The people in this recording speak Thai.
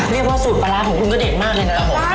เรียกว่าสูตรปลาร้าของคุณก็เด็ดมากเลยนะครับผม